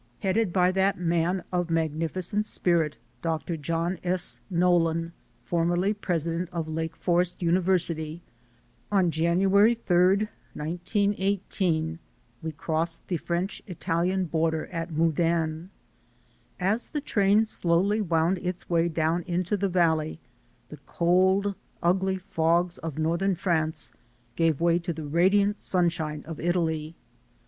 Headed by that man of magnificent spirit, Doctor John S. Nollen, formerly president of Lake Forest University, on January 3, 1918, we crossed the French Italian border at Modane. As the train slowly wound its way down into the valley, the cold, ugly fogs of northern France gave way to the radiant sunshine of Italy.